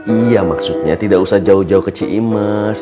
iya maksudnya tidak usah jauh jauh ke c i m a s